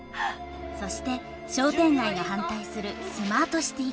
そして商店街が反対するスマートシティ計画。